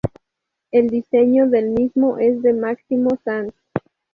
El diseño del mismo es de Máximo Sanz.